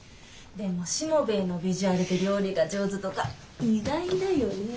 でもしもべえのビジュアルで料理が上手とか意外だよね。